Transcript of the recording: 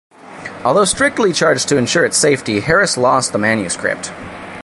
Although strictly charged to ensure its safety, Harris lost the manuscript.